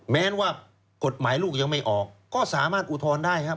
แม้ว่ากฎหมายลูกยังไม่ออกก็สามารถอุทธรณ์ได้ครับ